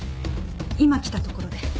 今来たところで。